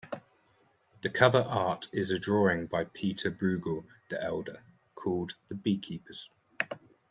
The cover art is a drawing by Pieter Bruegel the Elder called "The Bee-Keepers".